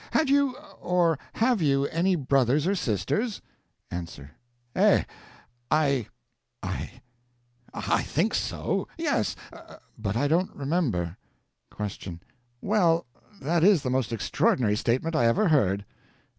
Had you, or have you, any brothers or sisters? A. Eh! I I I think so yes but I don't remember. Q. Well, that is the most extraordinary statement I ever heard!